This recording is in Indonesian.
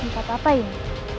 tempat apa ini